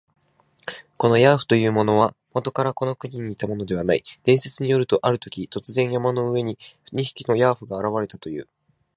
このヤーフというものは、もとからこの国にいたものではない。伝説によると、あるとき、突然、山の上に二匹のヤーフが現れたという。